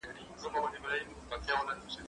کار د ډلې له خوا ترسره کيږي!.